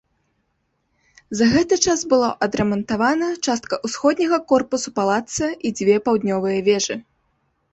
За гэты час была адрамантавана частка ўсходняга корпуса палаца і дзве паўднёвыя вежы.